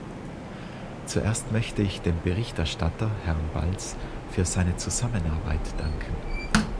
Zuerst möchte ich dem Berichterstatter, Herrn Balz, für seine Zusammenarbeit danken.